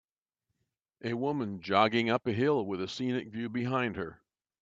A woman jogging up a hill with a scenic view behing her